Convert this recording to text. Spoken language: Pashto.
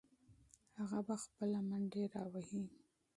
هغه به خپله منډې راوهي.